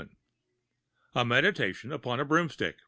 A MEDITATION UPON A BROOMSTICK.